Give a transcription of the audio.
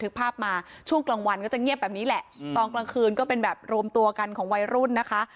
ภาพมาช่วงกลางวันก็จะเงียบแบบนี้แหละตอนกลางคืนก็เป็นแบบรวมตัวกันของวัยรุ่นนะคะ